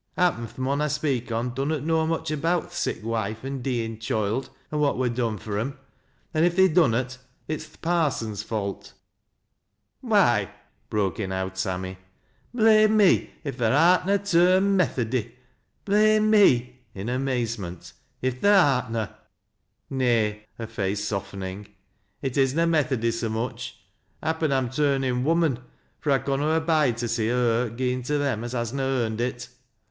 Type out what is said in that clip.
Happen th' mon I speak on dunnot know much about th' sick wife, an' deein choild, an' what wur done for 'om, an' if they dunnot, it's th' parson's fault." " Why !" broke in " Owd Sammy." " Blame me, if tha art na turned Methody ! Blame me," in amazement, " if tha art na !"" ITay," her face softening ;" it is na Methody so much Happen I'm turnin' woman, fur 1 conna abide to see a hurt gi'en to them as has na earned it.